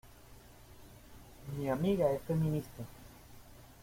Mi amiga es feminista